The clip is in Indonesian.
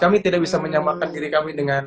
kami tidak bisa menyamakan diri kami dengan